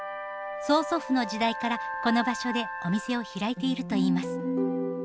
曽祖父の時代からこの場所でお店を開いているといいます。